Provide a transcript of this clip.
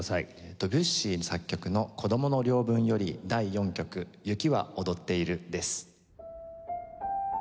ドビュッシー作曲の『子供の領分』より第４曲「雪は踊っている」です。